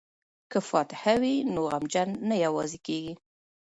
که فاتحه وي نو غمجن نه یوازې کیږي.